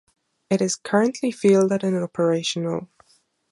It is currently fielded and operational.